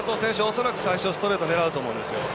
恐らく最初ストレートを狙うと思うんですよ。